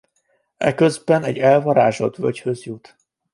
Eközben egy elvarázsolt völgyhöz jut.